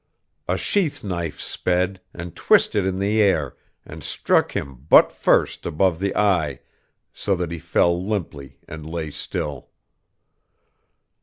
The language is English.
A sheath knife sped, and twisted in the air, and struck him butt first above the eye, so that he fell limply and lay still....